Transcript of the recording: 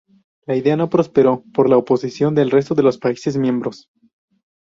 La idea no prosperó por la oposición del resto de los países miembros.